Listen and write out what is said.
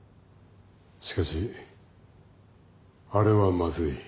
しかしあれはまずい。